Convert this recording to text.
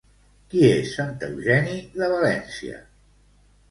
Qui és Sant Eugeni de València?